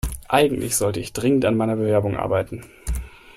Eigentlich sollte ich dringend an meiner Bewerbung arbeiten.